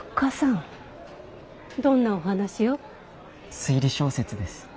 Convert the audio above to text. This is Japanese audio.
推理小説です。